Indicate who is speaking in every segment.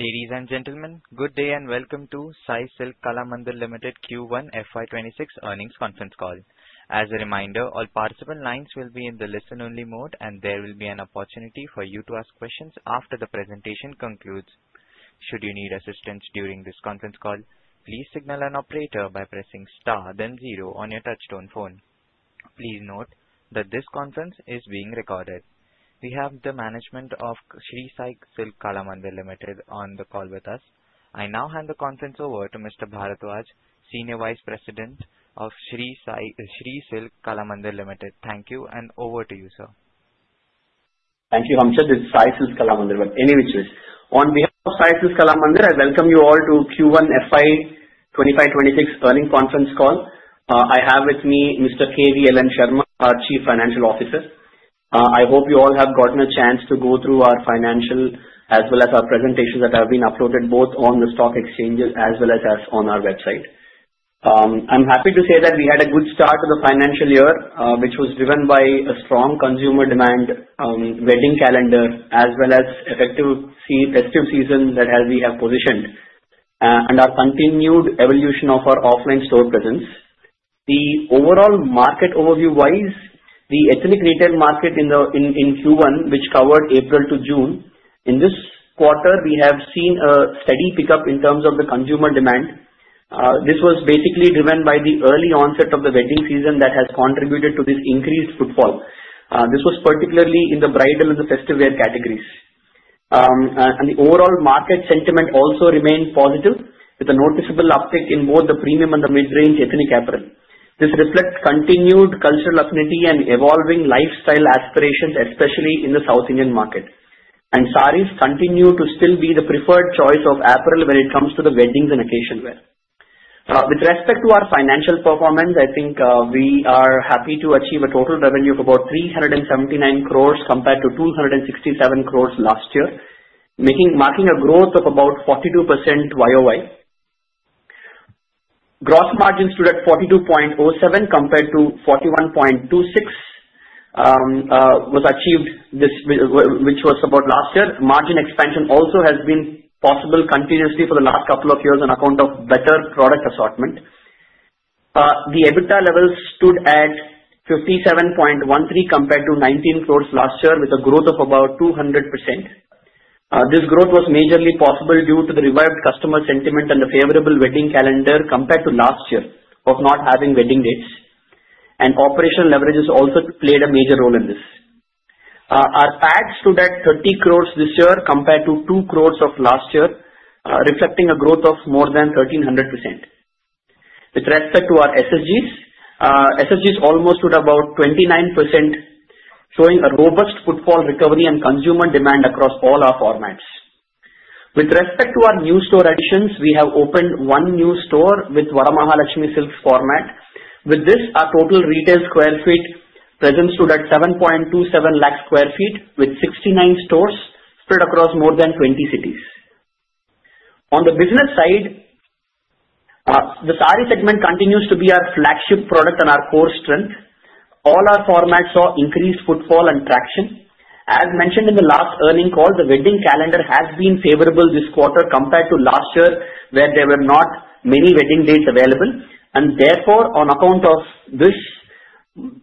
Speaker 1: Ladies and gentlemen, good day and welcome to Sai Silks Kalamandir Limited Q1 FY26 earnings conference call. As a reminder, all participant lines will be in the listen-only mode, and there will be an opportunity for you to ask questions after the presentation concludes. Should you need assistance during this conference call, please signal an operator by pressing star, then zero on your touch-tone phone. Please note that this conference is being recorded. We have the management of Sai Silks Kalamandir Limited on the call with us. I now hand the conference over to Mr. Bharadwaj, Senior Vice President of Sai Silks Kalamandir Limited. Thank you, and over to you, sir.
Speaker 2: Thank you, Hamshed. This is Sai Silks Kalamandir. On behalf of Sai Silks Kalamandir, I welcome you all to Q1 FY2025-2026 earnings conference call. I have with me Mr. K. V. L. N. Sarma, our Chief Financial Officer. I hope you all have gotten a chance to go through our financial as well as our presentations that have been uploaded both on the stock exchanges as well as on our website. I'm happy to say that we had a good start to the financial year, which was driven by a strong consumer demand wedding calendar as well as festive season that we have positioned and our continued evolution of our offline store presence. The overall market overview-wise, the ethnic retail market in Q1, which covered April to June, in this quarter, we have seen a steady pickup in terms of the consumer demand. This was basically driven by the early onset of the wedding season that has contributed to this increased footfall. This was particularly in the bridal and the festive wear categories. And the overall market sentiment also remained positive, with a noticeable uptick in both the premium and the mid-range ethnic apparel. This reflects continued cultural affinity and evolving lifestyle aspirations, especially in the South Indian market. And sarees continue to still be the preferred choice of apparel when it comes to the weddings and occasion wear. With respect to our financial performance, I think we are happy to achieve a total revenue of about 379 crores compared to 267 crores last year, marking a growth of about 42% YOY. Gross margins stood at 42.07 compared to 41.26, which was supported last year. Margin expansion also has been possible continuously for the last couple of years on account of better product assortment. The EBITDA level stood at 57.13 crores compared to 19 crores last year, with a growth of about 200%. This growth was majorly possible due to the revered customer sentiment and the favorable wedding calendar compared to last year of not having wedding dates. And operational leverage has also played a major role in this. Our PAT stood at 30 crores this year compared to 2 crores of last year, reflecting a growth of more than 1300%. With respect to our SSGs, SSGs almost stood at about 29%, showing a robust footfall recovery and consumer demand across all our formats. With respect to our new store additions, we have opened one new store with Varamahalakshmi Silks format. With this, our total retail square feet presence stood at 7.27 lakh sq ft with 69 stores spread across more than 20 cities. On the business side, the saree segment continues to be our flagship product and our core strength. All our formats saw increased footfall and traction. As mentioned in the last earnings call, the wedding calendar has been favorable this quarter compared to last year, where there were not many wedding dates available. And therefore, on account of this,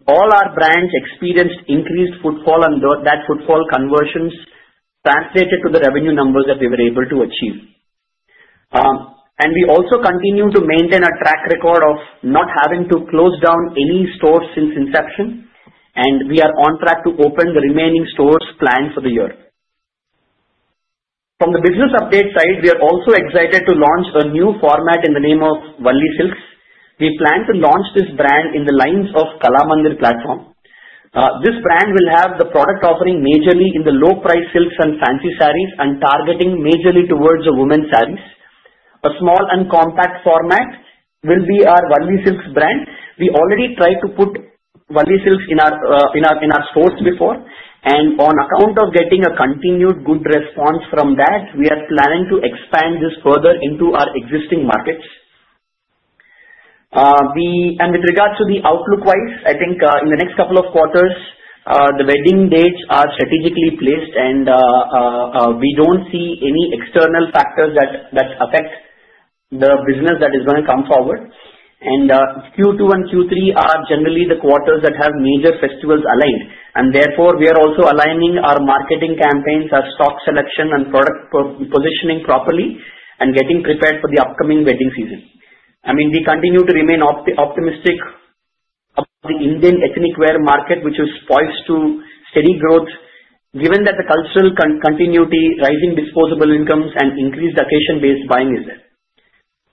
Speaker 2: all our brands experienced increased footfall, and that footfall conversions translated to the revenue numbers that we were able to achieve. And we also continue to maintain a track record of not having to close down any stores since inception, and we are on track to open the remaining stores planned for the year. From the business update side, we are also excited to launch a new format in the name of Valli Silks. We plan to launch this brand in the lines of Kalamandir platform. This brand will have the product offering majorly in the low-price silks and fancy sarees, and targeting majorly towards the women's sarees. A small and compact format will be our Valli Silks brand. We already tried to put Valli Silks in our stores before, and on account of getting a continued good response from that, we are planning to expand this further into our existing markets, and with regards to the outlook-wise, I think in the next couple of quarters, the wedding dates are strategically placed, and we don't see any external factors that affect the business that is going to come forward, and Q2 and Q3 are generally the quarters that have major festivals aligned. Therefore, we are also aligning our marketing campaigns, our stock selection, and product positioning properly and getting prepared for the upcoming wedding season. I mean, we continue to remain optimistic about the Indian ethnic wear market, which is poised to steady growth, given that the cultural continuity, rising disposable incomes, and increased occasion-based buying is there.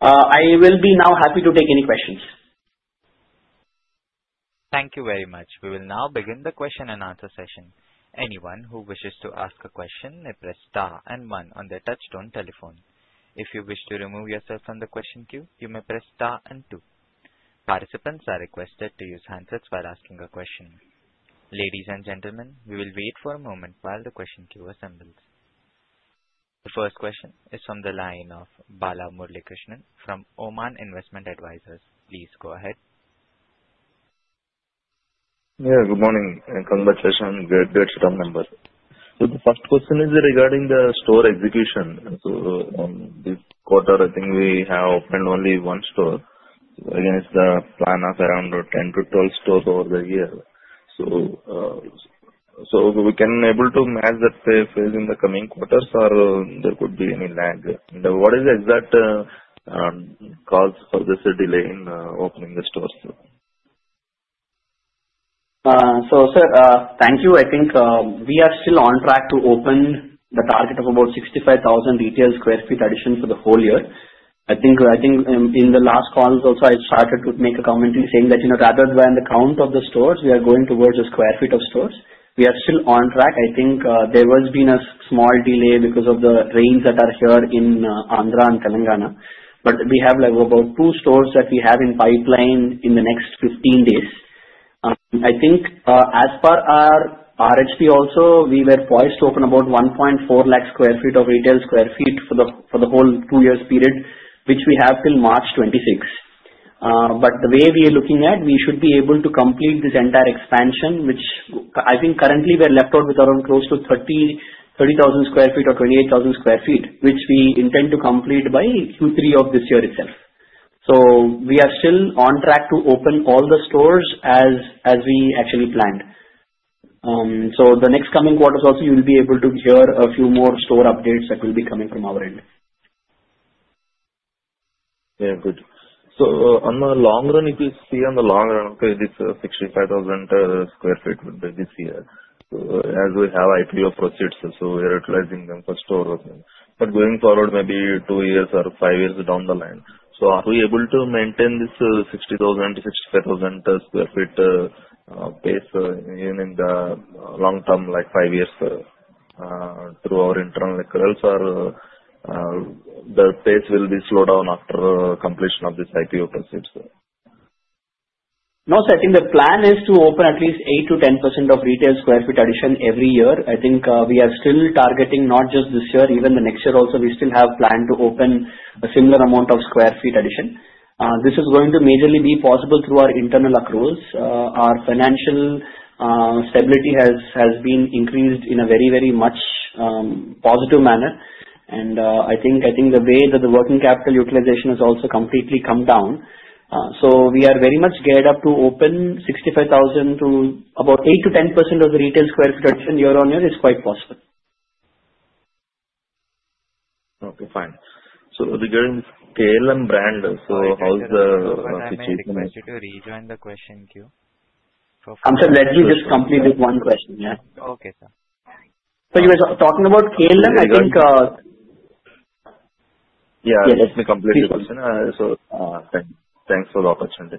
Speaker 2: I will be now happy to take any questions.
Speaker 1: Thank you very much. We will now begin the question and answer session. Anyone who wishes to ask a question may press star and one on the touch-tone telephone. If you wish to remove yourself from the question queue, you may press star and two. Participants are requested to use handsets while asking a question. Ladies and gentlemen, we will wait for a moment while the question queue assembles. The first question is from the line of Bala Murali Krishnan from Oman Investment Advisors. Please go ahead.
Speaker 3: Yeah, good morning. Congratulations on the great quarter. The first question is regarding the store execution. This quarter, I think you have opened only one store. Again, it is the plan of around 10-12 stores over the year. Will you be able to match that pace in the coming quarters, or there could be any lag? What is the exact cause for this delay in opening the stores?
Speaker 2: So sir, thank you. I think we are still on track to open the target of about 65,000 retail sq ft addition for the whole year. I think in the last calls also, I started to make a commentary saying that rather than the count of the stores, we are going towards a square feet of stores. We are still on track. I think there has been a small delay because of the rains that are here in Andhra and Telangana. But we have about two stores that we have in pipeline in the next 15 days. I think as per our RHP also, we were poised to open about 1.4 lakh sq ft of retail square feet for the whole two-year period, which we have till March 2026. But the way we are looking at, we should be able to complete this entire expansion, which I think currently we are left out with around close to 30,000 sq ft or 28,000 sq ft, which we intend to complete by Q3 of this year itself. So we are still on track to open all the stores as we actually planned. So the next coming quarters also, you will be able to hear a few more store updates that will be coming from our end.
Speaker 3: Yeah, good. So in the long run, if you see in the long run, okay, this 65,000 sq ft will be this year. So as we have IPO proceeds, so we are utilizing them for store. But going forward, maybe two years or five years down the line. So are we able to maintain this 60,000-65,000 sq ft pace in the long term, like five years through our internal accruals, or the pace will be slowed down after completion of this IPO proceeds?
Speaker 2: No, sir. I think the plan is to open at least 8%-10% of retail sq ft addition every year. I think we are still targeting not just this year, even the next year also, we still have planned to open a similar amount of square feet addition. This is going to majorly be possible through our internal accruals. Our financial stability has been increased in a very, very much positive manner, and I think the way that the working capital utilization has also completely come down, so we are very much geared up to open 65,000 to about 8%-10% of the retail square feet addition year-on-year, is quite possible.
Speaker 3: Okay, fine. So regarding KLM brand, so how is the situation?
Speaker 1: I'm sorry, sir. I want you to rejoin the question queue.
Speaker 2: I'm sorry, let me just complete this one question. Yeah.
Speaker 1: Okay, sir.
Speaker 2: So you were talking about KLM, I think.
Speaker 3: Yeah, let me complete this question. So thanks for the opportunity.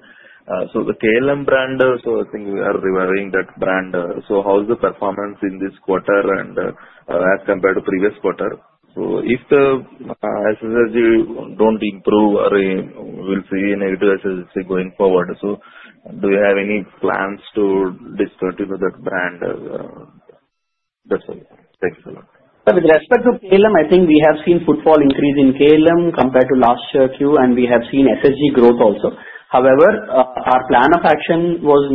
Speaker 3: So the KLM brand, so I think we are rewiring that brand. So how is the performance in this quarter and as compared to previous quarter? So if the SSG don't improve, we'll see negative SSG going forward. So do we have any plans to discontinue that brand? That's all. Thank you so much.
Speaker 2: With respect to KLM, I think we have seen footfall increase in KLM compared to last year's Q, and we have seen SSG growth also. However, our plan of action was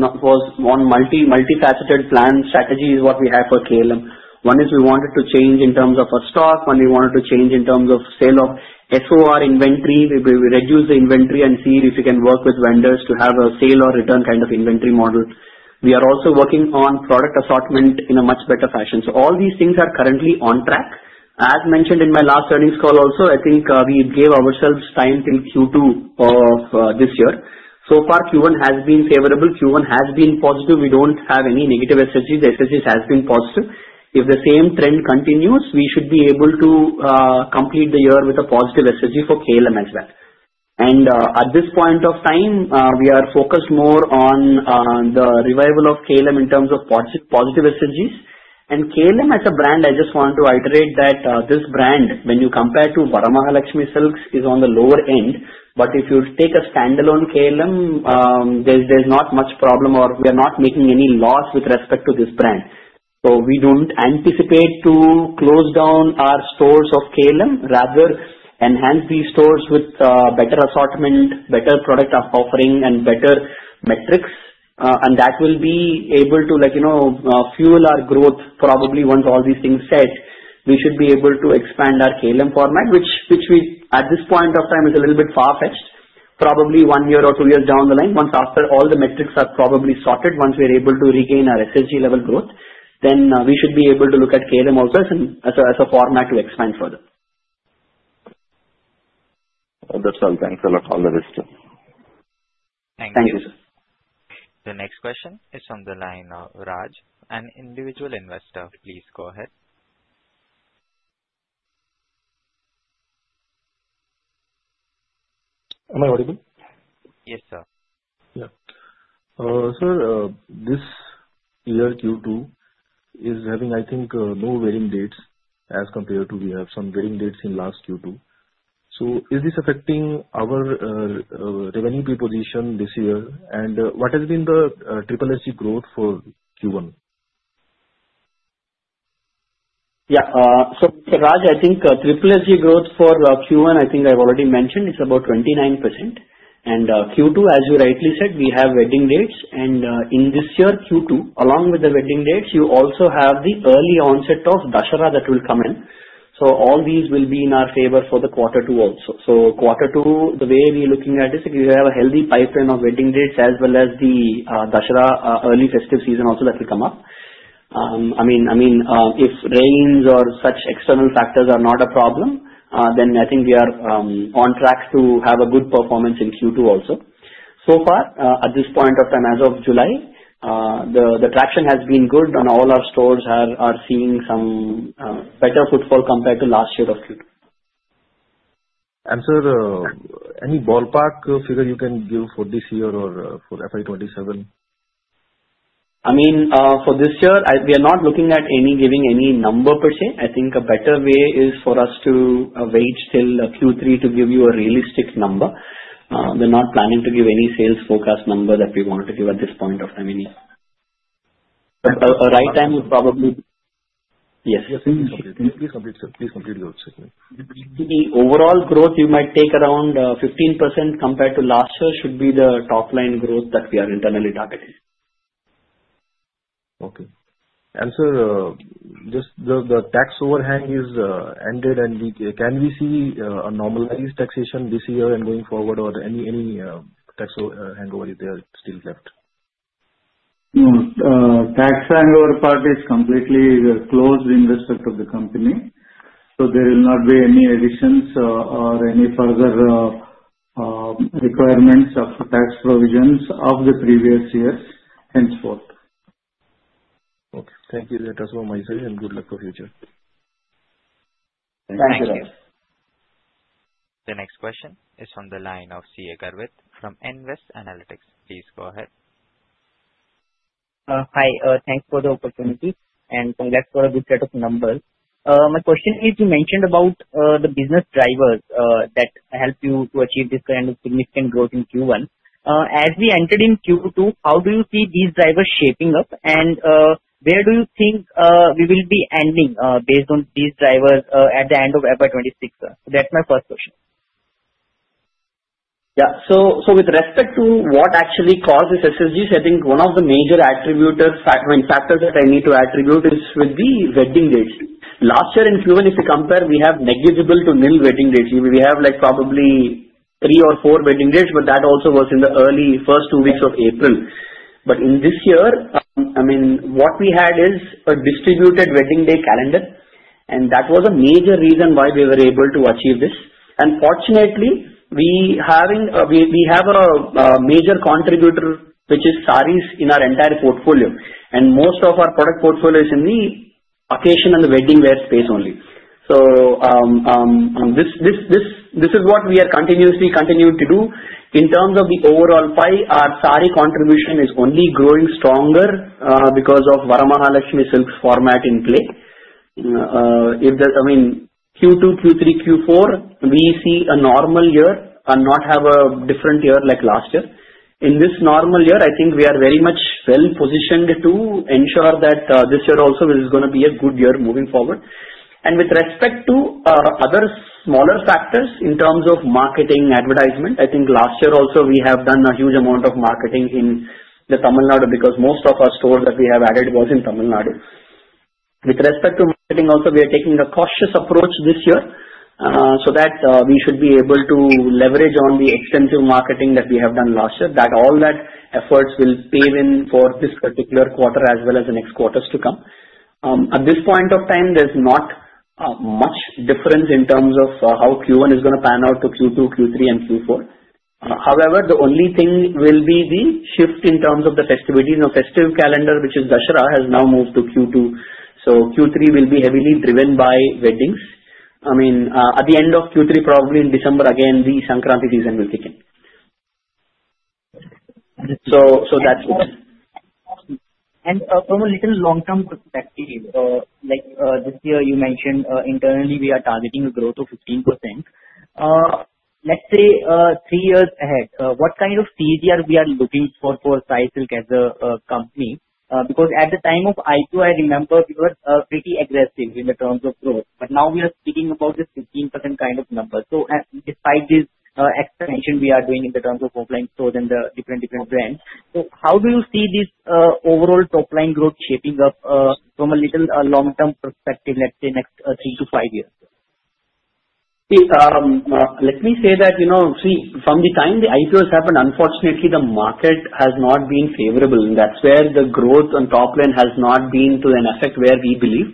Speaker 2: one multifaceted plan strategy is what we have for KLM. One is we wanted to change in terms of our stock. One we wanted to change in terms of sale of SOR inventory. We reduce the inventory and see if we can work with vendors to have a sale or return kind of inventory model. We are also working on product assortment in a much better fashion. So all these things are currently on track. As mentioned in my last earnings call also, I think we gave ourselves time till Q2 of this year. So far, Q1 has been favorable. Q1 has been positive. We don't have any negative SSGs. SSGs have been positive. If the same trend continues, we should be able to complete the year with a positive SSG for KLM as well. And at this point of time, we are focused more on the revival of KLM in terms of positive SSGs. And KLM as a brand, I just want to iterate that this brand, when you compare to Varamahalakshmi Silks, is on the lower end. But if you take a standalone KLM, there's not much problem, or we are not making any loss with respect to this brand. So we don't anticipate to close down our stores of KLM, rather enhance these stores with better assortment, better product offering, and better metrics. And that will be able to fuel our growth. Probably once all these things set, we should be able to expand our KLM format, which at this point of time is a little bit far-fetched. Probably one year or two years down the line, once after all the metrics are probably sorted, once we are able to regain our SSG level growth, then we should be able to look at KLM also as a format to expand further.
Speaker 3: That's all. Thanks a lot.
Speaker 1: Thank you.
Speaker 2: Thank you, sir.
Speaker 1: The next question is from the line of Raj, an individual investor. Please go ahead. Am I audible?
Speaker 2: Yes, sir. Yeah. Sir, this year Q2 is having, I think, no wedding dates as compared to we have some wedding dates in last Q2. So is this affecting our revenue proposition this year? And what has been the SSG growth for Q1? Yeah. So, Raj, I think SSG growth for Q1, I think I've already mentioned, it's about 29%, and Q2, as you rightly said, we have wedding dates, and in this year Q2, along with the wedding dates, you also have the early onset of Dasara that will come in, so all these will be in our favor for the quarter two also, so quarter two, the way we are looking at it is if you have a healthy pipeline of wedding dates as well as the Dasara early festive season also that will come up. I mean, if rains or such external factors are not a problem, then I think we are on track to have a good performance in Q2 also. So far, at this point of time, as of July, the traction has been good, and all our stores are seeing some better footfall compared to last year of Q2. Sir, any ballpark figure you can give for this year or for FY2027? I mean, for this year, we are not looking at giving any number per se. I think a better way is for us to wait till Q3 to give you a realistic number. We're not planning to give any sales forecast number that we want to give at this point of time. A right time would probably. Yes. Yes, please complete the question. The overall growth, you might take around 15% compared to last year, should be the top-line growth that we are internally targeting. Okay. And, sir, just the tax overhang is ended, and can we see a normalized taxation this year and going forward, or any tax hangover is there still left?
Speaker 4: Tax hangover part is completely closed in respect of the company. So there will not be any additions or any further requirements of tax provisions of the previous years, henceforth. Okay. Thank you. Let us know, my sir, and good luck for future.
Speaker 2: Thank you, Raj.
Speaker 1: The next question is from the line of CA Garvit from Nvest Analytics. Please go ahead. Hi. Thanks for the opportunity, and congrats for a good set of numbers. My question is, you mentioned about the business drivers that help you to achieve this kind of significant growth in Q1. As we entered in Q2, how do you see these drivers shaping up, and where do you think we will be ending based on these drivers at the end of FY2026? So that's my first question.
Speaker 2: Yeah. So with respect to what actually causes SSGs, I think one of the major factors that I need to attribute is with the wedding dates. Last year in Q1, if you compare, we have negligible to nil wedding dates. We have probably three or four wedding dates, but that also was in the early first two weeks of April. But in this year, I mean, what we had is a distributed wedding day calendar, and that was a major reason why we were able to achieve this. And fortunately, we have a major contributor, which is sarees, in our entire portfolio. And most of our product portfolio is in the occasion and the wedding wear space only. So this is what we are continuously continuing to do. In terms of the overall pie, our saree contribution is only growing stronger because of Varamahalakshmi Silks format in play. I mean, Q2, Q3, Q4, we see a normal year and not have a different year like last year. In this normal year, I think we are very much well positioned to ensure that this year also is going to be a good year moving forward. And with respect to other smaller factors in terms of marketing advertisement, I think last year also we have done a huge amount of marketing in Tamil Nadu because most of our stores that we have added was in Tamil Nadu. With respect to marketing also, we are taking a cautious approach this year so that we should be able to leverage on the extensive marketing that we have done last year, that all that efforts will pave in for this particular quarter as well as the next quarters to come. At this point of time, there's not much difference in terms of how Q1 is going to pan out to Q2, Q3, and Q4. However, the only thing will be the shift in terms of the festivities. The festive calendar, which is Dasara, has now moved to Q2. So Q3 will be heavily driven by weddings. I mean, at the end of Q3, probably in December, again, the Sankranti season will kick in. So that's it. From a little long-term perspective, like this year, you mentioned internally we are targeting a growth of 15%. Let's say three years ahead, what kind of CAGR we are looking for for Sai Silks as a company? Because at the time of IPO, I remember we were pretty aggressive in the terms of growth. But now we are speaking about this 15% kind of number. So despite this expansion we are doing in the terms of offline stores and the different brands, how do you see this overall top-line growth shaping up from a little long-term perspective, let's say next three to five years? Let me say that, see, from the time the IPO has happened, unfortunately, the market has not been favorable. That's where the growth and top-line has not been to the effect where we believe,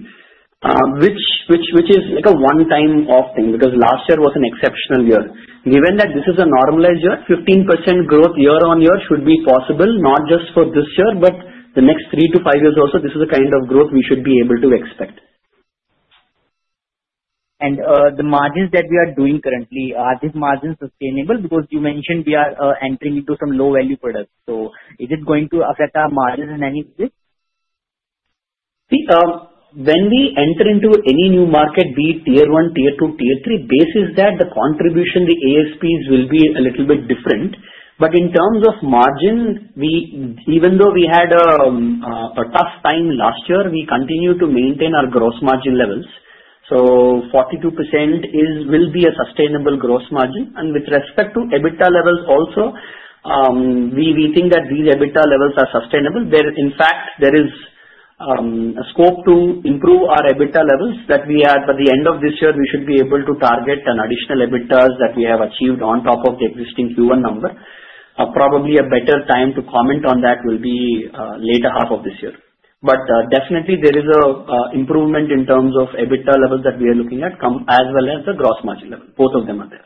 Speaker 2: which is like a one-time thing because last year was an exceptional year. Given that this is a normalized year, 15% growth year-on-year should be possible, not just for this year, but the next three to five years also. This is the kind of growth we should be able to expect. The margins that we are doing currently, are these margins sustainable? Because you mentioned we are entering into some low-value products. So is it going to affect our margins in any way? When we enter into any new market, be it tier one, tier two, tier three, basis that the contribution, the ASPs will be a little bit different. But in terms of margin, even though we had a tough time last year, we continue to maintain our gross margin levels. So 42% will be a sustainable gross margin. And with respect to EBITDA levels also, we think that these EBITDA levels are sustainable. In fact, there is a scope to improve our EBITDA levels that we had by the end of this year. We should be able to target an additional EBITDAs that we have achieved on top of the existing Q1 number. Probably a better time to comment on that will be later half of this year. But definitely, there is an improvement in terms of EBITDA levels that we are looking at as well as the gross margin level. Both of them are there.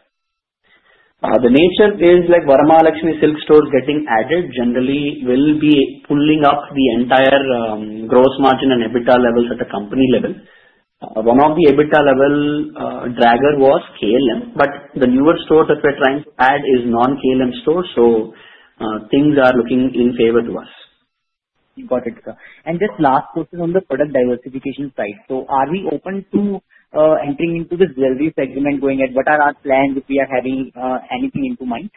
Speaker 2: The nature is like Varamahalakshmi Silks stores getting added generally will be pulling up the entire gross margin and EBITDA levels at a company level. One of the EBITDA level dragger was KLM, but the newer stores that we're trying to add is non-KLM stores. So things are looking in favor to us. Got it, sir. And just last question on the product diversification side. So are we open to entering into the jewelry segment going ahead? What are our plans if we are having anything in mind?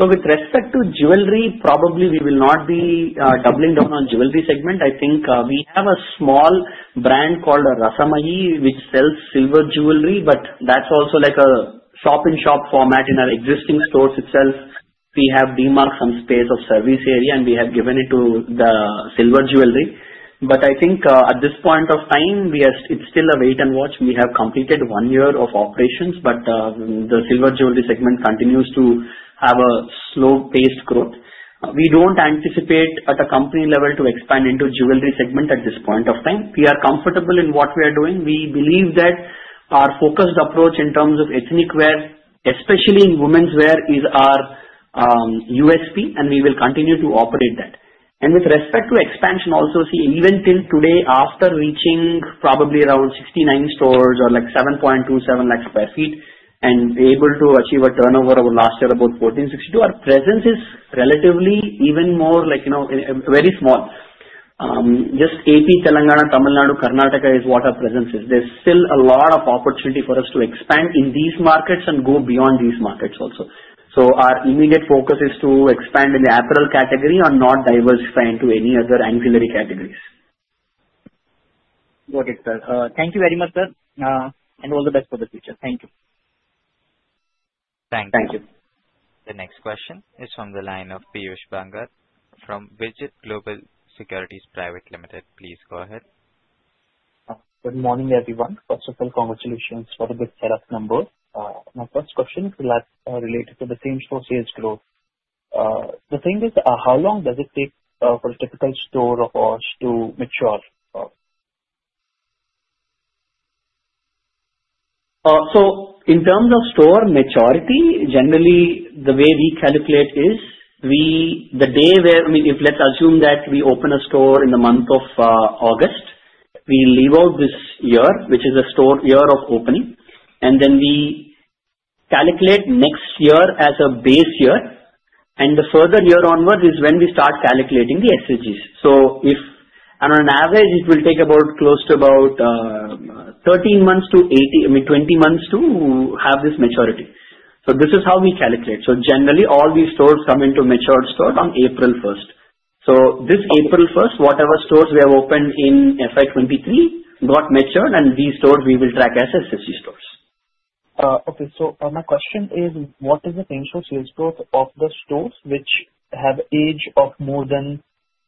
Speaker 2: So with respect to jewelry, probably we will not be doubling down on jewelry segment. I think we have a small brand called Rasamayi, which sells silver jewelry, but that's also like a shop-in-shop format in our existing stores itself. We have demarked some space of service area, and we have given it to the silver jewelry. But I think at this point of time, it's still a wait and watch. We have completed one year of operations, but the silver jewelry segment continues to have a slow-paced growth. We don't anticipate at a company level to expand into jewelry segment at this point of time. We are comfortable in what we are doing. We believe that our focused approach in terms of ethnic wear, especially in women's wear, is our USP, and we will continue to operate that. With respect to expansion also, see, even till today, after reaching probably around 69 stores or like 7.27 lakhs per sq ft and able to achieve a turnover of last year about 1462 crores, our presence is relatively even more like very small. Just AP, Telangana, Tamil Nadu, Karnataka is what our presence is. There's still a lot of opportunity for us to expand in the apparel category and not diversify into any other ancillary categories. Got it, sir. Thank you very much, sir. And all the best for the future. Thank you.
Speaker 1: Thank you.
Speaker 2: Thank you.
Speaker 1: The next question is from the line of Piyush Bangar from Vijit Global Securities Private Limited. Please go ahead.
Speaker 5: Good morning, everyone. First of all, congratulations for the big sales numbers. My first question is related to the same stores' growth. The thing is, how long does it take for a typical store of ours to mature?
Speaker 2: So in terms of store maturity, generally, the way we calculate is the day where, I mean, if let's assume that we open a store in the month of August, we leave out this year, which is a store year of opening, and then we calculate next year as a base year. And the further year onward is when we start calculating the SSGs. So on average, it will take close to about 13 months to 20 months to have this maturity. So this is how we calculate. So generally, all these stores come into matured stores on April 1st. So this April 1st, whatever stores we have opened in FY2023 got matured, and these stores we will track as SSG stores.
Speaker 5: Okay, so my question is, what is the same-store sales growth of the stores which have age of more than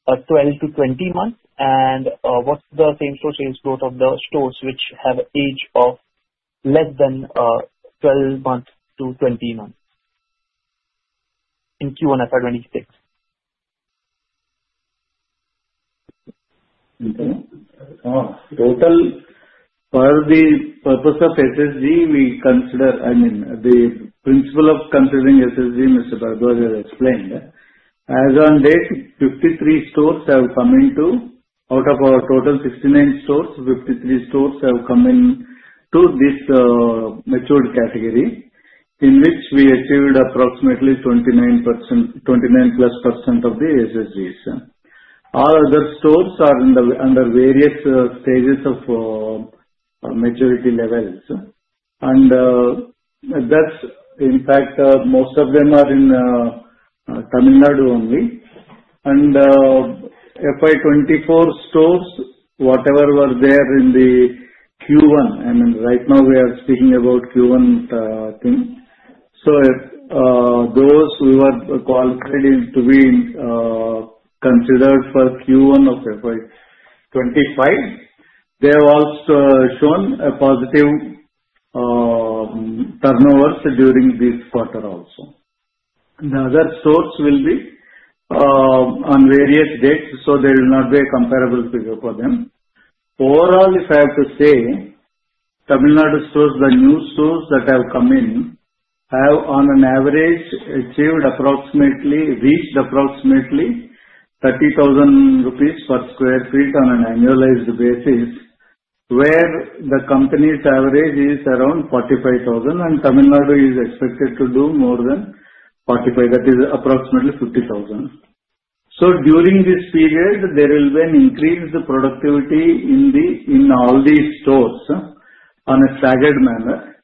Speaker 5: 12 to 20 months, and what's the same-store sales growth of the stores which have age of less than 12 months to 20 months in Q1 FY2026?
Speaker 4: Okay. Total, for the purpose of SSG, we consider, I mean, the principle of considering SSG, Mr. Bharadwaj has explained. As of date, out of our total 69 stores, 53 stores have come into this matured category in which we achieved approximately 29% of the SSGs. All other stores are under various stages of maturity levels. And that's in fact, most of them are in Tamil Nadu only. And FY2024 stores, whatever were there in the Q1, I mean, right now we are speaking about Q1, I think. So those we were qualified to be considered for Q1 of FY2025. They have also shown a positive turnover during this quarter also. The other stores will be on various dates, so there will not be a comparable figure for them. Overall, if I have to say, Tamil Nadu stores, the new stores that have come in have on an average reached approximately 30,000 rupees per sq ft on an annualized basis, where the company's average is around 45,000, and Tamil Nadu is expected to do more than 45,000. That is approximately 50,000. So during this period, there will be an increased productivity in all these stores on a staggered manner.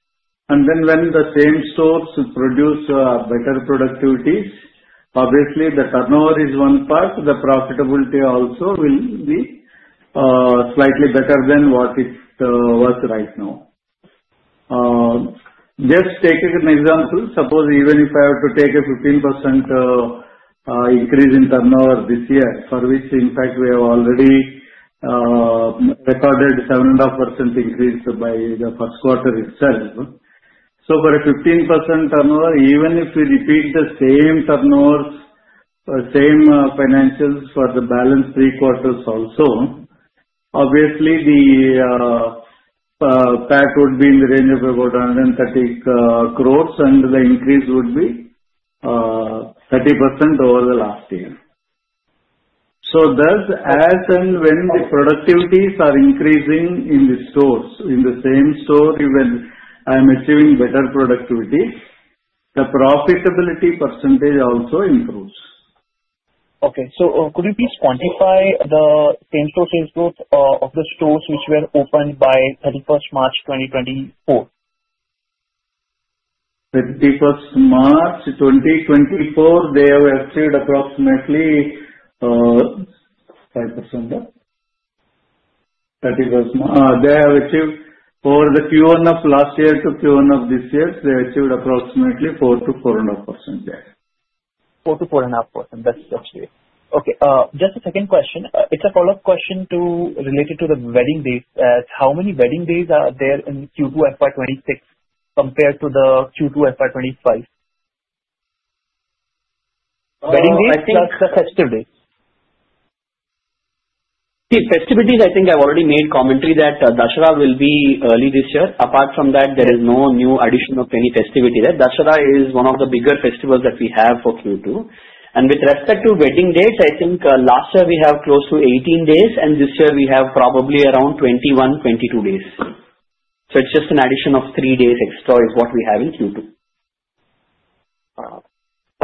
Speaker 4: And then when the same stores produce better productivities, obviously, the turnover is one part. The profitability also will be slightly better than what it was right now. Just take an example. Suppose even if I were to take a 15% increase in turnover this year, for which in fact we have already recorded 7.5% increase by the first quarter itself. For a 15% turnover, even if we repeat the same turnovers, same financials for the balance three quarters also, obviously, the PAT would be in the range of about 130 crores, and the increase would be 30% over the last year. As and when the productivities are increasing in the stores, in the same store, even I'm achieving better productivity, the profitability percentage also improves.
Speaker 5: Could you please quantify the same-store sales growth of the stores which were opened by 31st March 2024?
Speaker 4: 31st March 2024, they have achieved approximately 5%. They have achieved for the Q1 of last year to Q1 of this year, they achieved approximately 4% to 4.5% there.
Speaker 5: 4% to 4.5%. That's okay. Okay. Just a second question. It's a follow-up question related to the wedding days. How many wedding days are there in Q2 FY2026 compared to the Q2 FY2025? Wedding days plus the festive days.
Speaker 2: See, festivities. I think I've already made commentary that Dasara will be early this year. Apart from that, there is no new addition of any festivity there. Dasara is one of the bigger festivals that we have for Q2, and with respect to wedding dates, I think last year we have close to 18 days, and this year we have probably around 21, 22 days, so it's just an addition of three days extra is what we have in Q2.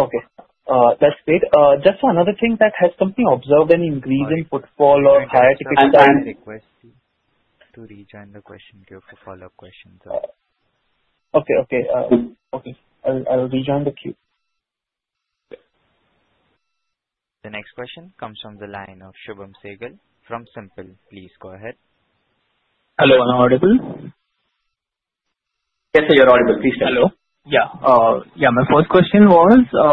Speaker 5: Okay. That's great. Just one other thing. Has the company observed any increase in footfall or higher ticket size? Request to rejoin the question queue for follow-up questions. Okay. I'll rejoin the queue.
Speaker 1: The next question comes from the line of Shubham Sehgal from Simpl. Please go ahead.
Speaker 6: Hello. I'm audible?
Speaker 2: Yes, sir. You're audible. Please tell me.
Speaker 6: Hello. My first question was, so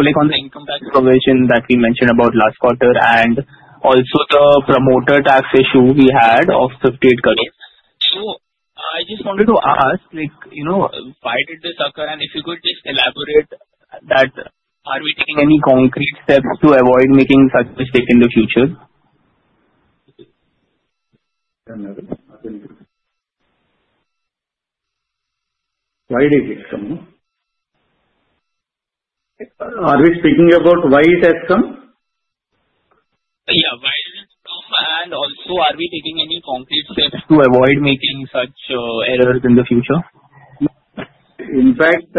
Speaker 6: on the income tax provision that we mentioned about last quarter and also the promoter tax issue we had of 58 crores, I just wanted to ask, why did this occur? And if you could just elaborate that, are we taking any concrete steps to avoid making such a mistake in the future?
Speaker 4: I don't know. Why did it come? Are we speaking about why it has come?
Speaker 6: Yeah. Why did it come, and also, are we taking any concrete steps to avoid making such errors in the future?
Speaker 4: In fact,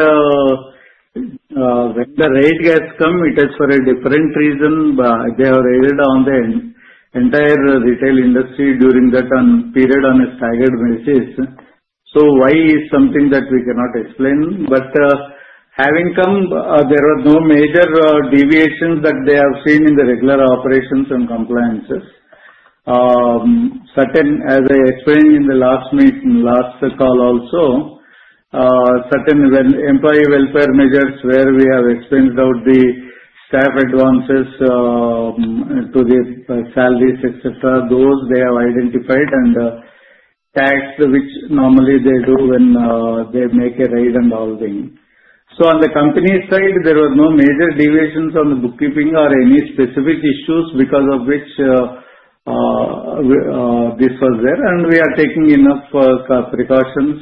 Speaker 4: when the raids come, it is for a different reason. They have raided the entire retail industry during that period on a staggered basis, so why it is something that we cannot explain, but having come, there were no major deviations that they have seen in the regular operations and compliances. As I explained in the last call also, certain employee welfare measures where we have expensed out the staff advances to the salaries, et cetera, those they have identified and taxed which normally they do when they make a raid and all things, so on the company side, there were no major deviations on the bookkeeping or any specific issues because of which this was there, and we are taking enough precautions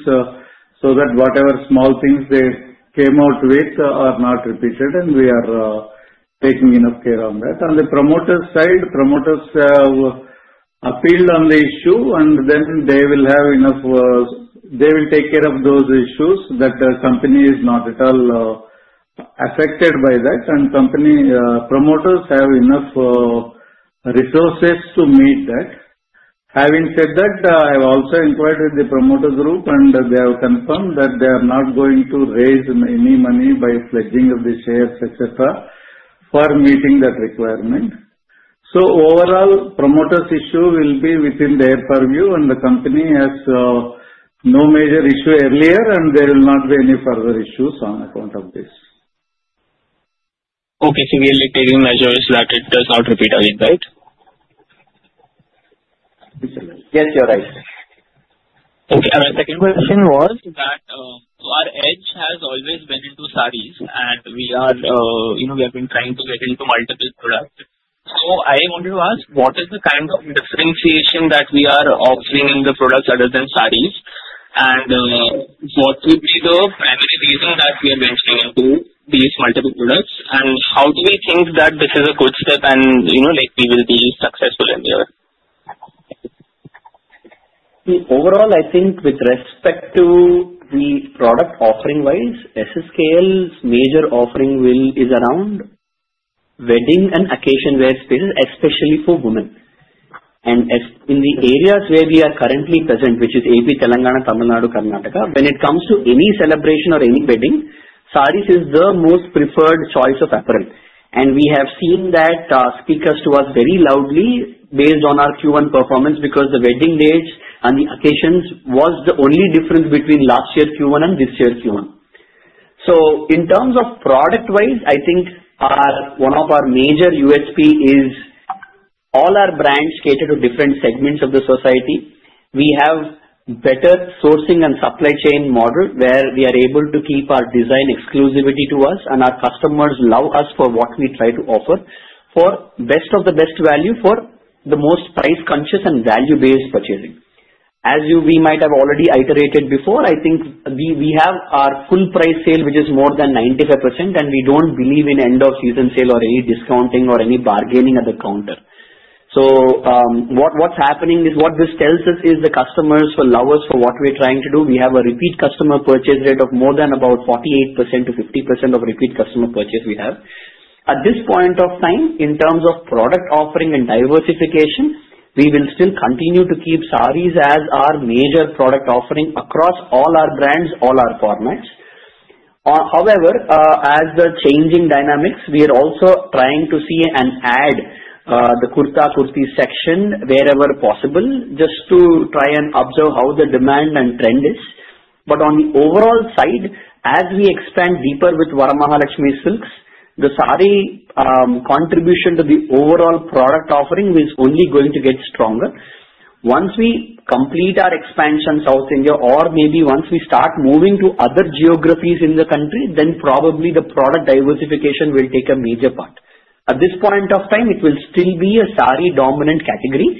Speaker 4: so that whatever small things they came out with are not repeated, and we are taking enough care on that. On the promoter side, promoters have appealed on the issue, and then they will have enough. They will take care of those issues that the company is not at all affected by that. Promoters have enough resources to meet that. Having said that, I have also inquired with the promoter group, and they have confirmed that they are not going to raise any money by pledging of the shares, etc., for meeting that requirement. Overall, promoters' issue will be within their purview, and the company has no major issue earlier, and there will not be any further issues on account of this.
Speaker 6: Okay. So we are taking measures that it does not repeat again, right?
Speaker 4: Yes, you're right.
Speaker 6: Okay. And my second question was that our edge has always been into sarees, and we have been trying to get into multiple products. So I wanted to ask, what is the kind of differentiation that we are offering in the products other than sarees? And what would be the primary reason that we are venturing into these multiple products? And how do we think that this is a good step and we will be successful in the year?
Speaker 2: See, overall, I think with respect to the product offering-wise, SSKL's major offering is around wedding and occasion wear spaces, especially for women. And in the areas where we are currently present, which is AP, Telangana, Tamil Nadu, Karnataka, when it comes to any celebration or any wedding, sarees is the most preferred choice of apparel. And we have seen that speaks to us very loudly based on our Q1 performance because the wedding dates and the occasions were the only difference between last year Q1 and this year Q1. So in terms of product-wise, I think one of our major USP is all our brands cater to different segments of the society. We have better sourcing and supply chain model where we are able to keep our design exclusivity to us, and our customers love us for what we try to offer for best of the best value for the most price-conscious and value-based purchasing. As we might have already iterated before, I think we have our full price sale, which is more than 95%, and we don't believe in end-of-season sale or any discounting or any bargaining at the counter. So what's happening is what this tells us is the customers will love us for what we're trying to do. We have a repeat customer purchase rate of more than about 48%-50% of repeat customer purchase we have. At this point of time, in terms of product offering and diversification, we will still continue to keep sarees as our major product offering across all our brands, all our formats. However, as the changing dynamics, we are also trying to see and add the kurta-kurti section wherever possible just to try and observe how the demand and trend is. But on the overall side, as we expand deeper with Vara Mahalakshmi Silks, the saree contribution to the overall product offering is only going to get stronger, but on the overall side, as we expand deeper with Vara Mahalakshmi Silks, the saree contribution to the overall product offering is only going to get stronger. Once we complete our expansion South India or maybe once we start moving to other geographies in the country, then probably the product diversification will take a major part. At this point of time, it will still be a saree dominant category,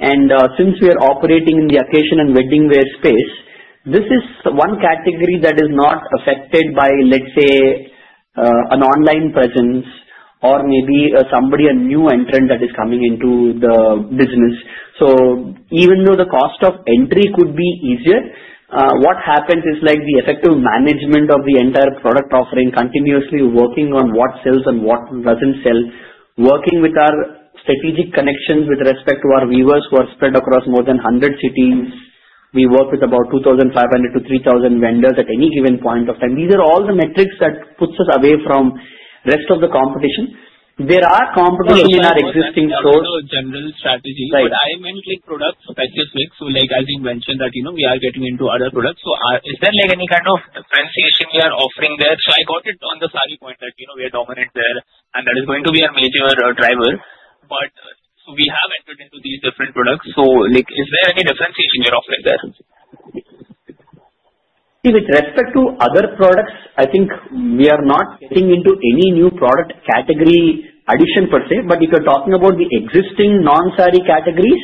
Speaker 2: and since we are operating in the occasion and wedding wear space, this is one category that is not affected by, let's say, an online presence or maybe somebody, a new entrant that is coming into the business. So even though the cost of entry could be easier, what happens is the effective management of the entire product offering, continuously working on what sells and what doesn't sell, working with our strategic connections with respect to our weavers who are spread across more than 100 cities. We work with about 2,500-3,000 vendors at any given point of time. These are all the metrics that set us apart from the rest of the competition. There is competition in our existing stores.
Speaker 6: So I don't know the general strategy, but I meant product specifics. So as you mentioned that we are getting into other products, so is there any kind of differentiation we are offering there? So I got it on the saree point that we are dominant there, and that is going to be our major driver. But we have entered into these different products. So is there any differentiation you're offering there?
Speaker 2: See, with respect to other products, I think we are not getting into any new product category addition per se. But if you're talking about the existing non-saree categories,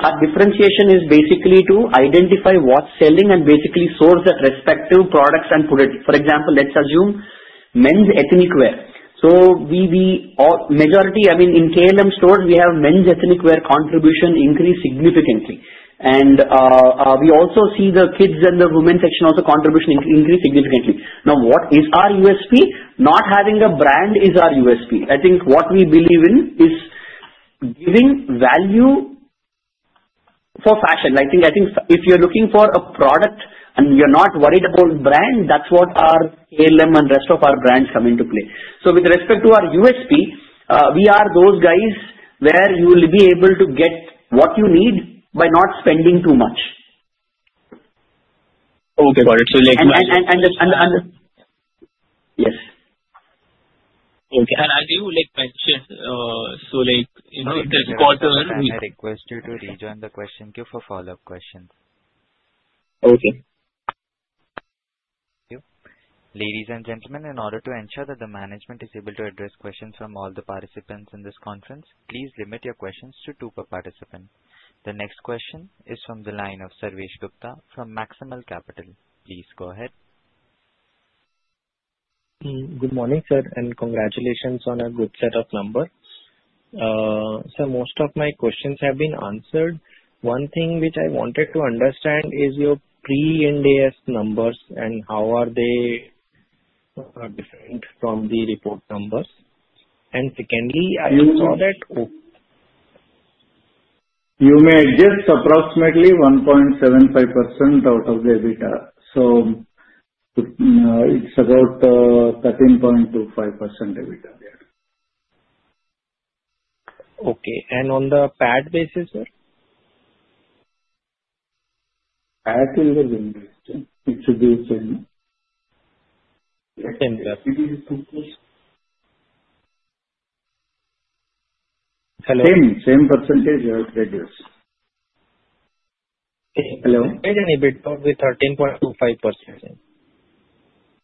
Speaker 2: our differentiation is basically to identify what's selling and basically source that respective products and put it. For example, let's assume men's ethnic wear. So majority, I mean, in KLM stores, we have men's ethnic wear contribution increased significantly. And we also see the kids and the women's section also contribution increased significantly. Now, what is our USP? Not having a brand is our USP. I think what we believe in is giving value for fashion. I think if you're looking for a product and you're not worried about brand, that's what our KLM and rest of our brands come into play. With respect to our USP, we are those guys where you will be able to get what you need by not spending too much.
Speaker 6: Okay. Got it. So like.
Speaker 2: And.
Speaker 6: Yes. Okay. And as you mentioned, so this quarter.
Speaker 1: I request you to rejoin the question queue for follow-up questions.
Speaker 6: Okay.
Speaker 1: Ladies and gentlemen, in order to ensure that the management is able to address questions from all the participants in this conference, please limit your questions to two per participant. The next question is from the line of Sarvesh Gupta from Maximal Capital. Please go ahead.
Speaker 7: Good morning, sir, and congratulations on a good set of numbers. Sir, most of my questions have been answered. One thing which I wanted to understand is your pre-index numbers and how are they different from the report numbers? And secondly, I saw that.
Speaker 4: You may adjust approximately 1.75% out of the EBITDA. So it's about 13.25% EBITDA there.
Speaker 7: Okay. And on the PAT basis, sir?
Speaker 4: PAT will be reduced. It should be the same.
Speaker 7: Same.
Speaker 4: It is 2%.
Speaker 7: Hello?
Speaker 4: Same. Same percentage reduced.
Speaker 7: Hello?
Speaker 2: EBITDA with 13.25%.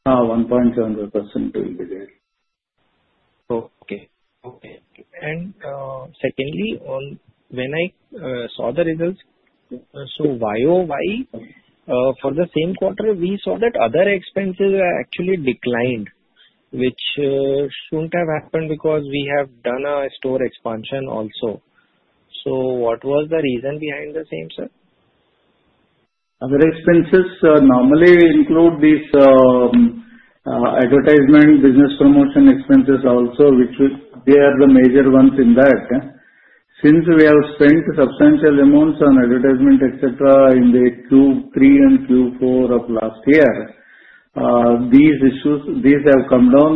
Speaker 4: 1.75% will be there.
Speaker 7: Okay. Okay. And secondly, when I saw the results, so YOY for the same quarter, we saw that other expenses actually declined, which shouldn't have happened because we have done a store expansion also. So what was the reason behind the same, sir?
Speaker 4: Other expenses normally include these advertisement business promotion expenses also, which they are the major ones in that. Since we have spent substantial amounts on advertisement, et cetera, in the Q3 and Q4 of last year, these issues have come down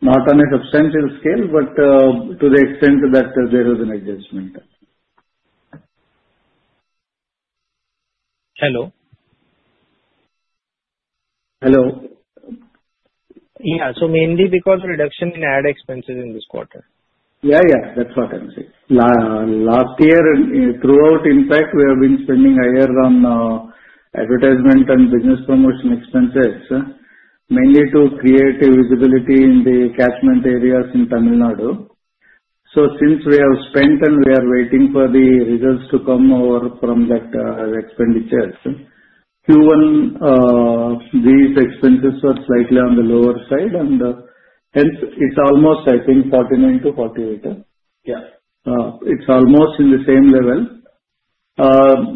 Speaker 4: not on a substantial scale, but to the extent that there is an adjustment.
Speaker 7: Hello?
Speaker 4: Hello?
Speaker 7: Yeah. So mainly because of reduction in ad expenses in this quarter.
Speaker 4: Yeah, yeah. That's what I'm saying. Last year, throughout impact, we have been spending higher on advertisement and business promotion expenses, mainly to create visibility in the catchment areas in Tamil Nadu. So since we have spent and we are waiting for the results to come over from that expenditure, Q1, these expenses were slightly on the lower side, and hence it's almost, I think, 49- 48.
Speaker 7: Yeah.
Speaker 4: It's almost in the same level.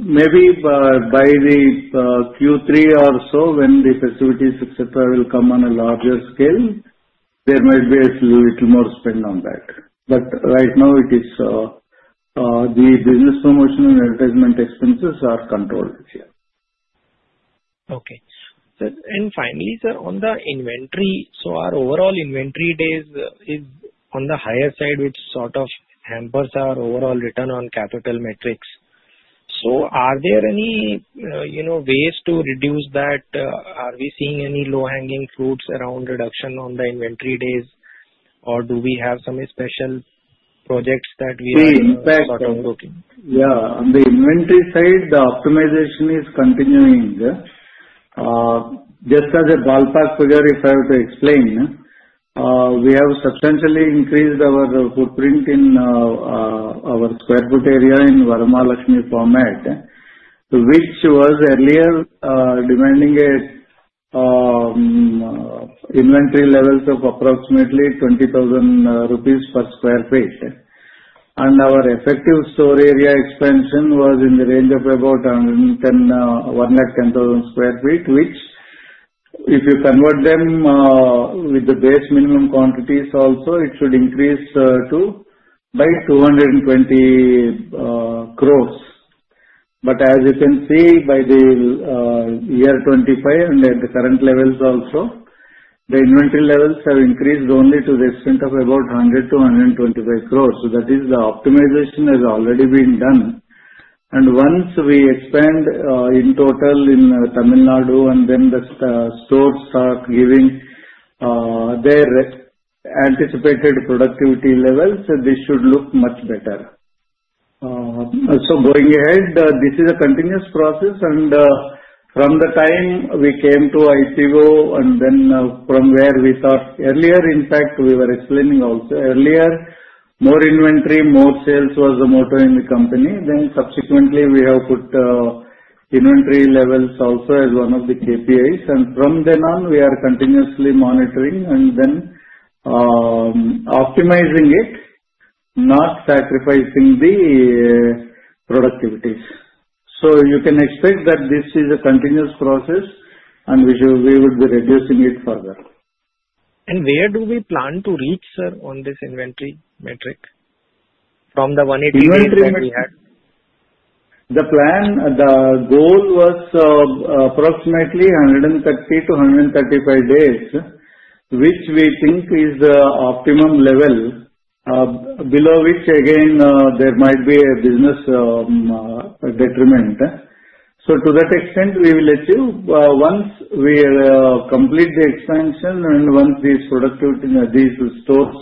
Speaker 4: Maybe by the Q3 or so, when the facilities, etc., will come on a larger scale, there might be a little more spend on that. But right now, it is the business promotion and advertisement expenses are controlled this year.
Speaker 7: Okay. And finally, sir, on the inventory, so our overall inventory days is on the higher side, which sort of hampers our overall return on capital metrics. So are there any ways to reduce that? Are we seeing any low-hanging fruits around reduction on the inventory days, or do we have some special projects that we are sort of looking?
Speaker 4: See, in fact, yeah. On the inventory side, the optimization is continuing. Just as a ballpark figure, if I have to explain, we have substantially increased our footprint in our square feet area in Varamahalakshmi format, which was earlier demanding inventory levels of approximately 20,000 rupees per sq ft. And our effective store area expansion was in the range of about 110,000 sq ft, which if you convert them with the base minimum quantities also, it should increase by 220 crores. But as you can see, by the year 25 and at the current levels also, the inventory levels have increased only to the extent of about 100-125 crores. That is, the optimization has already been done. And once we expand in total in Tamil Nadu and then the stores start giving their anticipated productivity levels, this should look much better. So going ahead, this is a continuous process. And from the time we came to IPO and then from where we thought earlier, in fact, we were explaining also earlier, more inventory, more sales was the motto in the company. Then subsequently, we have put inventory levels also as one of the KPIs. And from then on, we are continuously monitoring and then optimizing it, not sacrificing the productivities. So you can expect that this is a continuous process, and we would be reducing it further.
Speaker 7: Where do we plan to reach, sir, on this inventory metric from the 180 days that we had?
Speaker 4: The plan, the goal was approximately 130-135 days, which we think is the optimum level, below which, again, there might be a business detriment, so to that extent, we will achieve once we complete the expansion and once these stores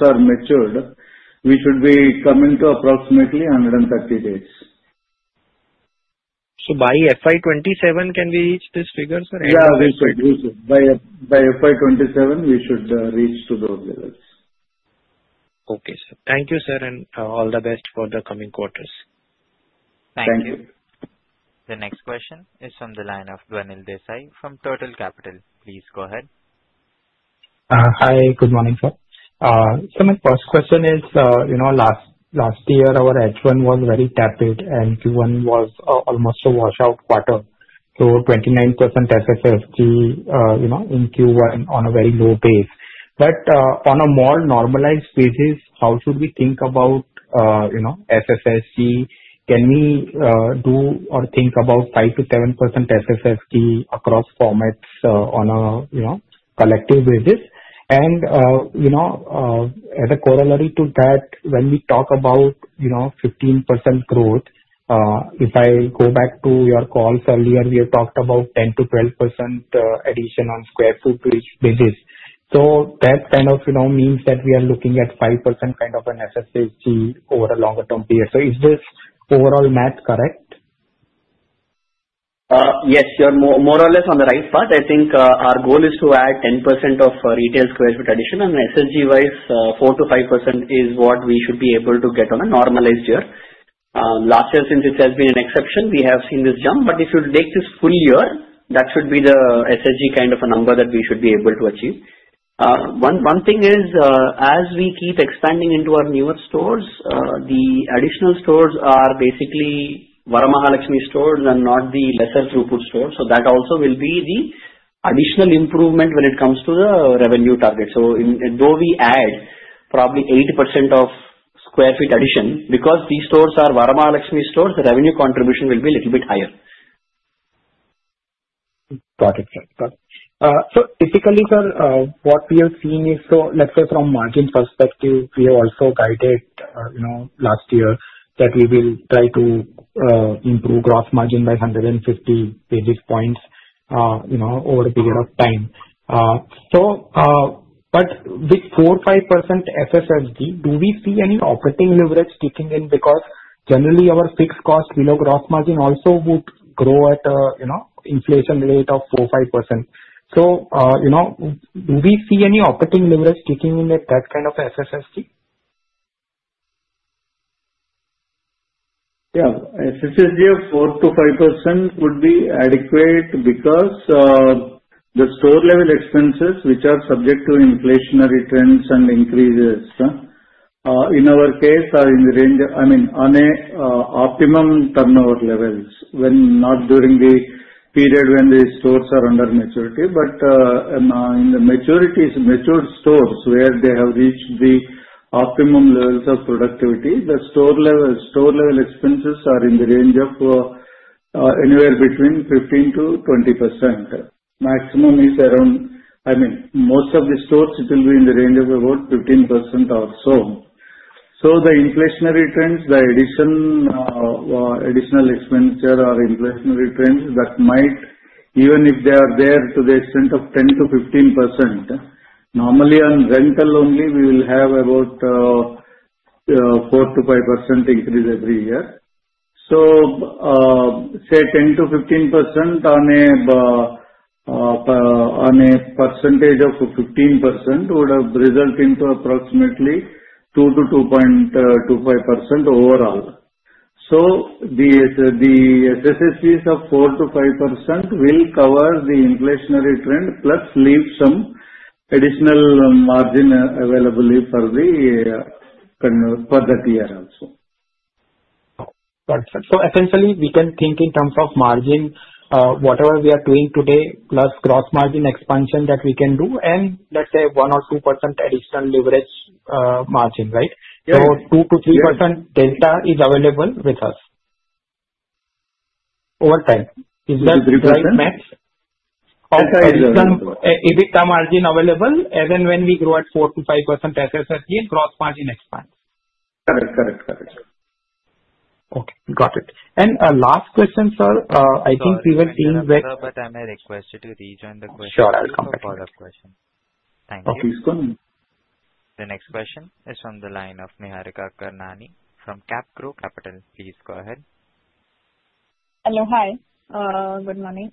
Speaker 4: are matured, we should be coming to approximately 130 days.
Speaker 7: By FY2027, can we reach this figure, sir?
Speaker 4: Yeah, we should. By FY2027, we should reach to those levels.
Speaker 7: Okay, sir. Thank you, sir, and all the best for the coming quarters. Thank you.
Speaker 2: Thank you.
Speaker 1: The next question is from the line of Dhwanil Desai from Turtle Capital. Please go ahead.
Speaker 8: Hi, good morning, sir. So my first question is, last year, our H1 was very tepid, and Q1 was almost a washout quarter. So 29% SSG in Q1 on a very low base. But on a more normalized basis, how should we think about SSG? Can we do or think about 5%-7% SSG across formats on a collective basis? And as a corollary to that, when we talk about 15% growth, if I go back to your calls earlier, we have talked about 10%-12% addition on square foot basis. So that kind of means that we are looking at 5% kind of an SSG over a longer term period. So is this overall math correct?
Speaker 2: Yes, you're more or less on the right part. I think our goal is to add 10% of retail square foot addition, and SSG-wise, 4%-5% is what we should be able to get on a normalized year. Last year, since it has been an exception, we have seen this jump. But if you take this full year, that should be the SSG kind of a number that we should be able to achieve. One thing is, as we keep expanding into our newer stores, the additional stores are basically Varamahalakshmi stores and not the lesser throughput stores. So that also will be the additional improvement when it comes to the revenue target. So though we add probably 80% of square feet addition, because these stores are Varamahalakshmi stores, the revenue contribution will be a little bit higher.
Speaker 8: Got it, sir. Got it. So typically, sir, what we have seen is, so let's say from margin perspective, we have also guided last year that we will try to improve gross margin by 150 basis points over a period of time. But with 4%-5% SSG, do we see any operating leverage kicking in? Because generally, our fixed cost below gross margin also would grow at an inflation rate of 4%-5%. So do we see any operating leverage kicking in at that kind of SSG?
Speaker 4: Yeah. SSG of 4%-5% would be adequate because the store level expenses, which are subject to inflationary trends and increases, in our case, are in the range, I mean, on an optimum turnover levels, not during the period when the stores are under maturity. But in the maturities, matured stores where they have reached the optimum levels of productivity, the store level expenses are in the range of anywhere between 15%-20%. Maximum is around, I mean, most of the stores will be in the range of about 15% or so. So the inflationary trends, the additional expenditure or inflationary trends that might, even if they are there to the extent of 10%-15%, normally on rental only, we will have about 4%-5% increase every year. So say 10%-15% on a percentage of 15% would have resulted into approximately 2%-2.25% overall. So the SSSTs of 4%-5% will cover the inflationary trend plus leave some additional margin available for that year also.
Speaker 8: Got it. So essentially, we can think in terms of margin, whatever we are doing today, plus gross margin expansion that we can do, and let's say 1% or 2% additional leverage margin, right? So 2% to 3% delta is available with us over time. Is that right math?
Speaker 4: Exactly. Exactly.
Speaker 8: Of additional EBITDA margin available, and then when we grow at 4%-5% SSG and gross margin expansion.
Speaker 4: Correct. Correct. Correct.
Speaker 8: Okay. Got it, and last question, sir. I think we will be back.
Speaker 1: I may request you to rejoin the queue for the follow-up question. Thank you. The next question is from the line of Niharika Karnani from Capgrow Capital. Please go ahead.
Speaker 9: Hello. Hi. Good morning.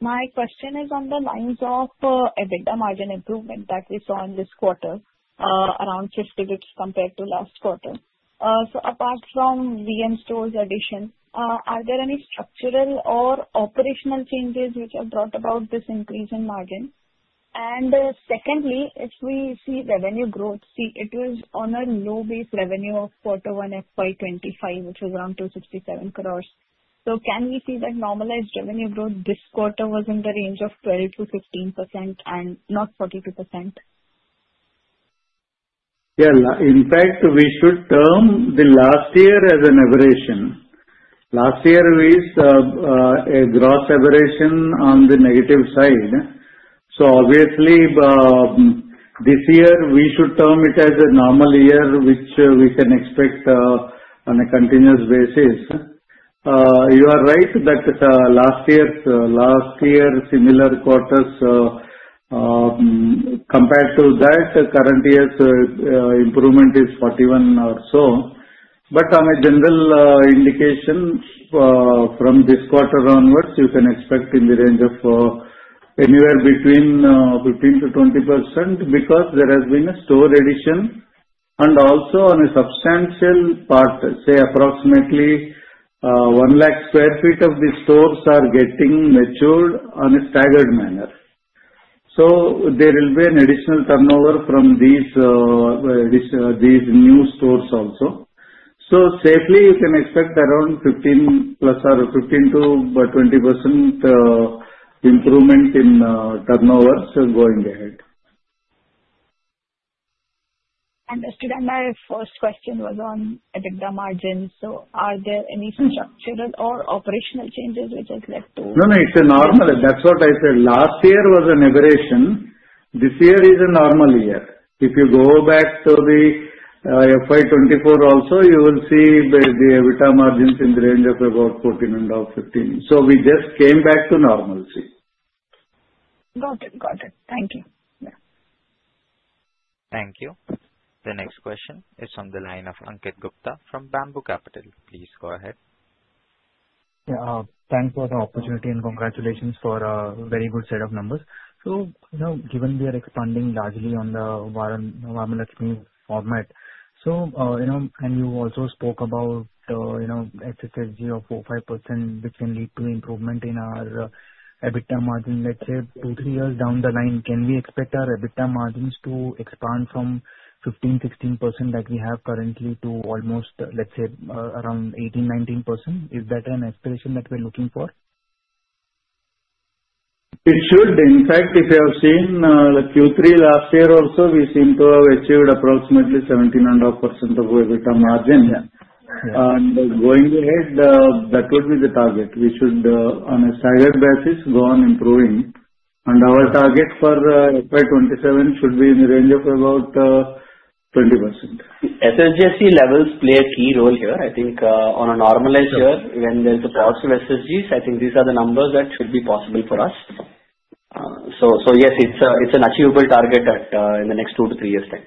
Speaker 9: My question is on the lines of EBITDA margin improvement that we saw in this quarter, around 50 basis points compared to last quarter. Apart from VM stores addition, are there any structural or operational changes which have brought about this increase in margin? And secondly, if we see revenue growth, see, it was on a low-based revenue of quarter one FY2025, which was around 267 crores. Can we see that normalized revenue growth this quarter was in the range of 12%-15% and not 42%?
Speaker 4: Yeah. In fact, we should term the last year as an aberration. Last year was a gross aberration on the negative side. So obviously, this year, we should term it as a normal year, which we can expect on a continuous basis. You are right that last year, similar quarters compared to that, current year's improvement is 41% or so, but on a general indication, from this quarter onwards, you can expect in the range of anywhere between 15%-20% because there has been a store addition, and also, on a substantial part, say, approximately 1 lakh sq ft of these stores are getting matured on a staggered manner, so there will be an additional turnover from these new stores also, so safely, you can expect around 15%-20% improvement in turnovers going ahead.
Speaker 9: Understood. And my first question was on EBITDA margin. So are there any structural or operational changes which have led to?
Speaker 4: No, no. It's a normal. That's what I said. Last year was an aberration. This year is a normal year. If you go back to the FY2024 also, you will see the EBITDA margins in the range of about 14%-15%. So we just came back to normal, see.
Speaker 9: Got it. Got it. Thank you.
Speaker 1: Thank you. The next question is from the line of Ankit Gupta from Bamboo Capital. Please go ahead.
Speaker 10: Yeah. Thanks for the opportunity and congratulations for a very good set of numbers. So given we are expanding largely on the Varamahalakshmi format, and you also spoke about SSG of 4%-5%, which can lead to improvement in our EBITDA margin, let's say, two, three years down the line, can we expect our EBITDA margins to expand from 15%-16% that we have currently to almost, let's say, around 18%-19%? Is that an aspiration that we're looking for?
Speaker 4: It should. In fact, if you have seen Q3 last year also, we seem to have achieved approximately 17.5% EBITDA margin, and going ahead, that would be the target. We should, on a staggered basis, go on improving, and our target for FY 2027 should be in the range of about 20%.
Speaker 2: SSG levels play a key role here. I think on a normalized year, when there's a burst of SSGs, I think these are the numbers that should be possible for us. So yes, it's an achievable target in the next two to three years' time.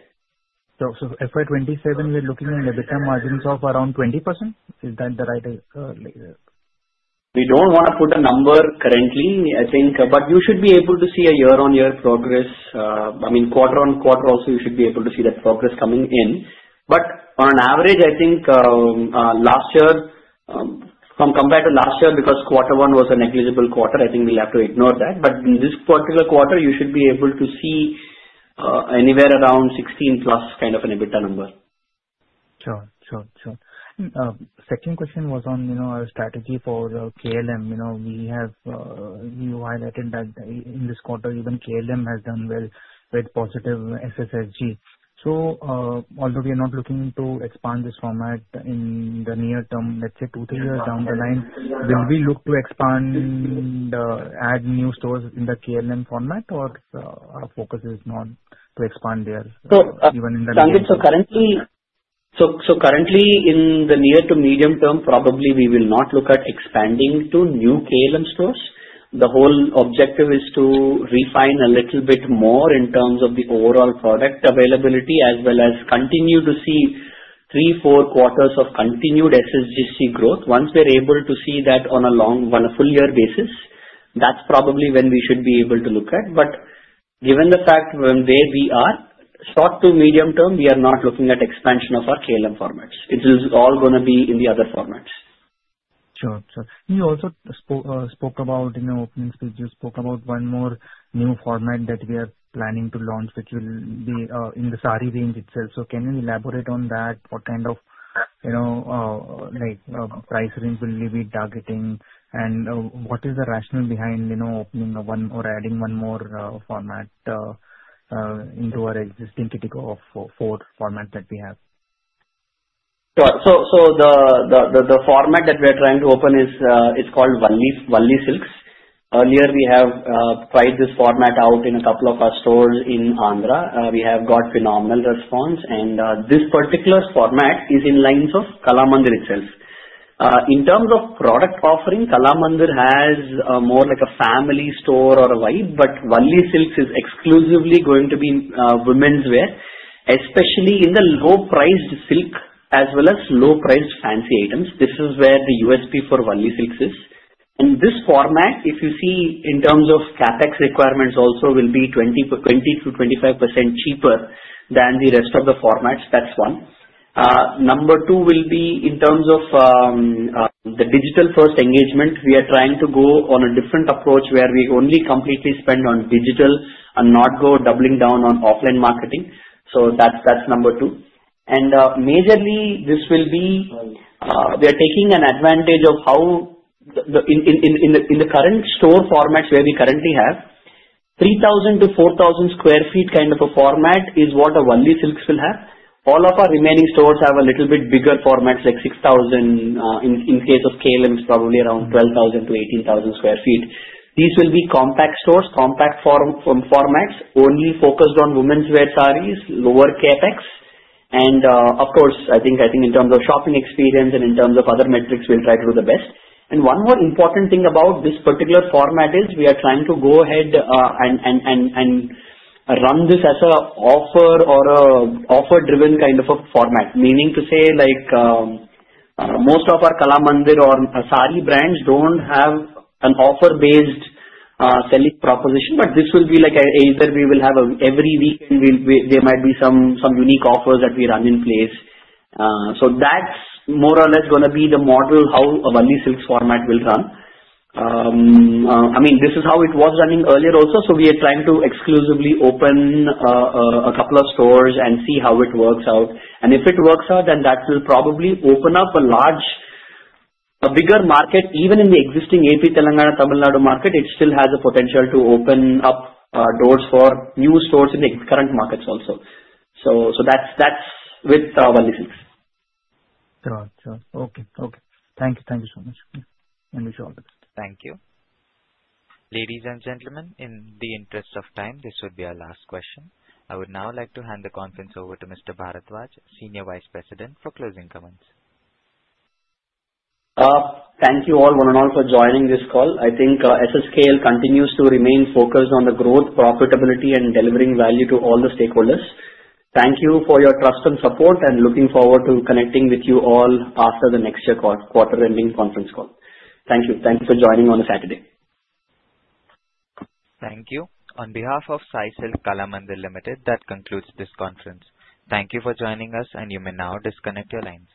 Speaker 10: So FY 2027, we are looking at EBITDA margins of around 20%. Is that the right?
Speaker 2: We don't want to put a number currently, I think, but you should be able to see a year-on-year progress. I mean, quarter-on-quarter also, you should be able to see that progress coming in. But on an average, I think last year, compared to last year, because quarter one was a negligible quarter, I think we'll have to ignore that. But in this particular quarter, you should be able to see anywhere around 16% plus kind of an EBITDA number.
Speaker 10: Second question was on our strategy for KLM. We have highlighted that in this quarter, even KLM has done well with positive SSG. So although we are not looking to expand this format in the near term, let's say two, three years down the line, will we look to expand, add new stores in the KLM format, or our focus is not to expand there even in the near term?
Speaker 2: So currently, in the near to medium term, probably we will not look at expanding to new KLM stores. The whole objective is to refine a little bit more in terms of the overall product availability as well as continue to see three, four quarters of continued SSG growth. Once we're able to see that on a full-year basis, that's probably when we should be able to look at. But given the fact where we are, short to medium term, we are not looking at expansion of our KLM formats. It is all going to be in the other formats.
Speaker 10: Sure. Sure. You also spoke about in the opening speech, you spoke about one more new format that we are planning to launch, which will be in the saree range itself. So can you elaborate on that? What kind of price range will we be targeting? And what is the rationale behind opening one or adding one more format into our existing category of four formats that we have?
Speaker 2: The format that we are trying to open is called Valli Silks. Earlier, we have tried this format out in a couple of our stores in Andhra. We have got phenomenal response. This particular format is along the lines of Kalamandir itself. In terms of product offering, Kalamandir has more like a family store or a wife, but Valli Silks is exclusively going to be women's wear, especially in the low-priced silk as well as low-priced fancy items. This is where the USP for Valli Silks is. This format, if you see, in terms of CapEx requirements also, will be 20%-25% cheaper than the rest of the formats. That's one. Number two will be in terms of the digital-first engagement. We are trying to go on a different approach where we only completely spend on digital and not go doubling down on offline marketing. So that's number two. And majorly, this will be we are taking an advantage of how in the current store formats where we currently have 3,000-4,000 sq ft kind of a format is what a Valli Silks will have. All of our remaining stores have a little bit bigger formats, like 6,000 sq ft. In case of KLM, it's probably around 12,000-18,000 sq ft. These will be compact stores, compact formats, only focused on women's wear sarees, lower CapEx. And of course, I think in terms of shopping experience and in terms of other metrics, we'll try to do the best. One more important thing about this particular format is we are trying to go ahead and run this as an offer or an offer-driven kind of a format, meaning to say most of our Kalamandir or saree brands don't have an offer-based selling proposition, but this will be like either we will have every week, and there might be some unique offers that we run in place. So that's more or less going to be the model how a Valli Silks format will run. I mean, this is how it was running earlier also. So we are trying to exclusively open a couple of stores and see how it works out. And if it works out, then that will probably open up a bigger market. Even in the existing AP Telangana-Tamil Nadu market, it still has the potential to open up doors for new stores in the current markets also. So that's with Valli Silks.
Speaker 10: Sure. Sure. Okay. Okay. Thank you. Thank you so much. Enjoy all the best.
Speaker 1: Thank you. Ladies and gentlemen, in the interest of time, this would be our last question. I would now like to hand the conference over to Mr. Bharadwaj, Senior Vice President, for closing comments.
Speaker 2: Thank you all, one and all, for joining this call. I think SSKL continues to remain focused on the growth, profitability, and delivering value to all the stakeholders. Thank you for your trust and support, and looking forward to connecting with you all after the next quarter-ending conference call. Thank you. Thank you for joining on a Saturday.
Speaker 1: Thank you. On behalf of Sai Silks Kalamandir Limited, that concludes this conference. Thank you for joining us, and you may now disconnect your lines.